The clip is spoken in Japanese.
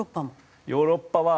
ヨーロッパも？